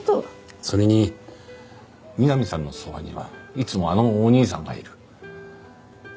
それにみなみさんのそばにはいつもあのお兄さんがいる。